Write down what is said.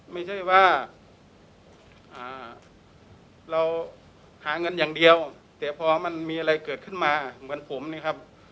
ไม่ใช่ว่าเราหาเงินอย่างเดียวแต่พอมันมีอะไรเกิดขึ้นมาเหมือนผมนี่ครับ